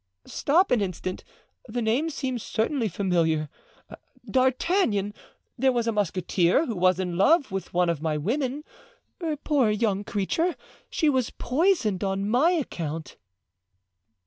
stop an instant, the name seems certainly familiar. D'Artagnan! there was a musketeer who was in love with one of my women. Poor young creature! she was poisoned on my account."